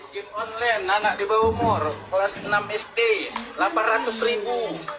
game online anak di bawah umur kelas enam sd delapan ratus ribu